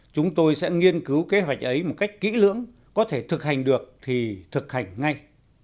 chúng tôi sẽ nghiên cứu kế hoạch ấy một cách kỹ lưỡng có thể thực hành được thì thực hành ngay